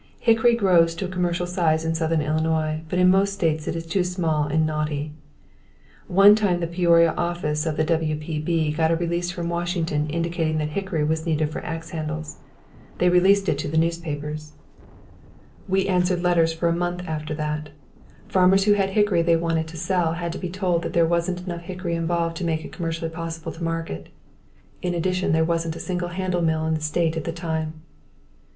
Hickory grows to a commercial size in southern Illinois but in most states it is too small and knotty. One time the Peoria office of the WPB got a release from Washington indicating that hickory was needed for axe handles. They released it to the newspapers. We answered letters for a month after that. Farmers who had hickory they wanted to sell had to be told that there wasn't enough hickory involved to make it commercially possible to market. In addition, there wasn't a single handle mill in the state at that time.